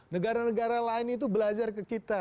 negara negara lain itu belajar ke kita